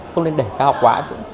không nên để cao quá